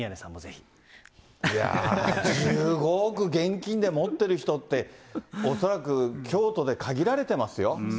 いやぁ、１５億現金で持ってる人って、恐らく京都で限られてますよ。